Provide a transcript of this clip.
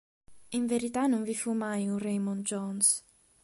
In verità non vi fu mai un Raymond Jones.